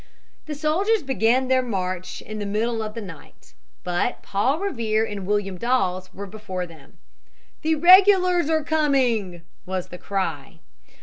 The soldiers began their march in the middle of the night. But Paul Revere and William Dawes were before them. "The regulars are coming," was the cry.